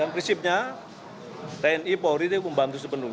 hari kami tanya ke basarnas pak deden lah ya pak deden